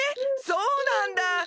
そうなんだ！